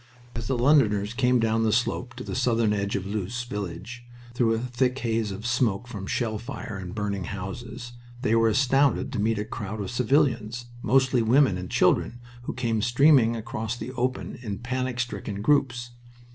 As the Londoners came down the slope to the southern edge of Loos village, through a thick haze of smoke from shell fire and burning houses, they were astounded to meet a crowd of civilians, mostly women and children, who came streaming across the open in panic stricken groups.